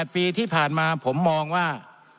๘ปีที่ผ่านมาผมมองว่า